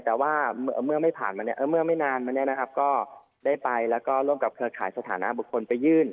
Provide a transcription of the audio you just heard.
แต่ว่าเมื่อไม่นานมาเนี่ยนะครับก็ได้ไปแล้วก็ร่วมกับเครือข่ายสถานะบุคคลไปยื่น